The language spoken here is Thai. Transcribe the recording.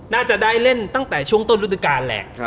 น่าจะได้เล่นตั้งแต่ช่วงต้นฤดูการแหละ